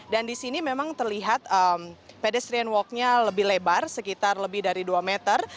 dan di sini memang terlihat pedestrian walknya lebih lebar sekitar lebih dari dua meter